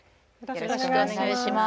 よろしくお願いします。